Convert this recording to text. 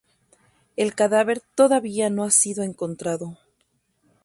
El cadáver todavía no ha sido encontrado.